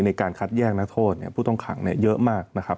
ในการคัดแยกนักโทษผู้ต้องขังเยอะมากนะครับ